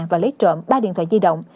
và lấy trộm ba điện thoại di động